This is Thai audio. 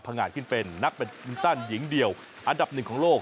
งานขึ้นเป็นนักแบตมินตันหญิงเดียวอันดับหนึ่งของโลก